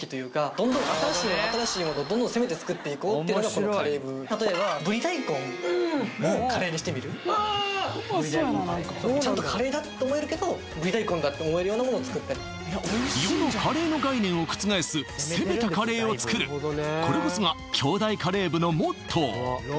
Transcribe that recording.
どんどん新しいもの新しいものを攻めて作っていこうっていうのがこのカレー部例えばぶり大根をカレーにしてみるああちゃんとカレーだって思えるけどぶり大根だって思えるようなものを作ったり世のカレーの概念を覆す攻めたカレーを作るこれこそが京大カレー部のモットー